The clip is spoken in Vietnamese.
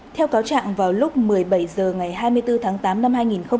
theo cáo trạng vào lúc một mươi bảy h ngày hai mươi bốn tháng tám năm hai nghìn hai mươi